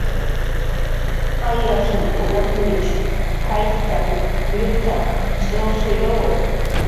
"Payasuq wallmich qayllanh llutap"" cx'iwsyawi"